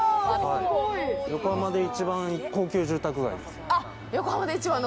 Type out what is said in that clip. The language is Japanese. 横浜で一番高級住宅街です。